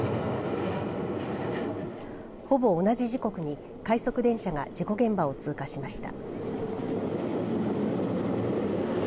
ほぼ同じ時刻に快速電車が事故現場を通過しました。